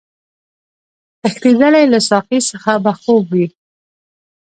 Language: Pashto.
تښتېدلی له ساقي څخه به خوب وي